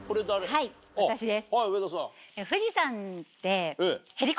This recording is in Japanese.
はい私です。